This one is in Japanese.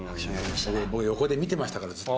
僕横で見てましたからずっと。